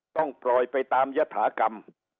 ต้องปล่อยไปตามยฐากรรม